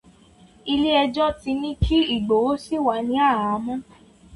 Ilé ẹjọ́ ti ní kí Ìgbòho ṣì wà ní àhámọ́.